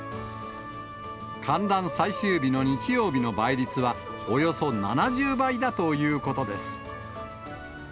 観覧最終日の日曜日の倍率は、およそ７０倍だということです。